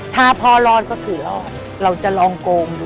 ถ้าพอร้อนก็ถือแล้วเราจะลองโกง